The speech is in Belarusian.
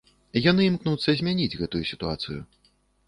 Яны імкнуцца змяніць гэтую сітуацыю.